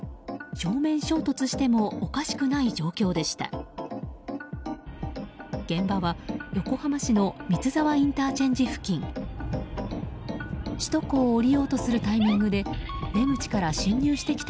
正面衝突してもおかしくない状況でした。